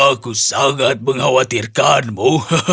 aku sangat mengkhawatirkanmu